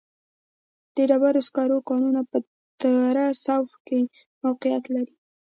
د ډبرو سکرو کانونه په دره صوف کې موقعیت لري.